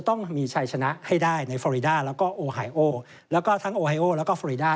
โฟรีดาแล้วก็โอไฮโอแล้วก็ทั้งโอไฮโอแล้วก็โฟรีดา